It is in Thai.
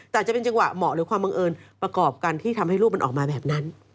แต่จะเป็นจังหวะเหมาะหรือความบังเอิญประกอบกันที่ทำให้รูปมันออกมาแบบนั้น